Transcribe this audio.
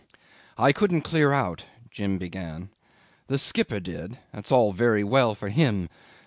'"I couldn't clear out," Jim began. "The skipper did that's all very well for him.